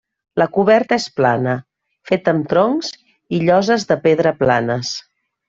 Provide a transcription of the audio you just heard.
La coberta és plana, feta amb troncs i lloses de pedra planes.